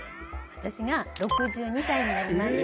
私が６２歳になりました。